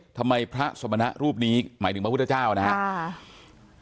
เอ๊ทำไมพระสมณรูปนี้หมายถึงพระพุทธเจ้านะครับ